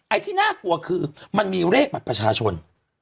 ที่น่ากลัวคือมันมีเลขบัตรประชาชน